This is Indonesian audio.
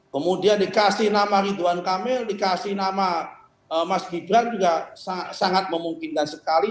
kemudian dikasih nama ridwan kamil dikasih nama mas gibran juga sangat memungkinkan sekali